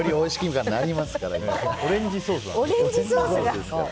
オレンジソースだから。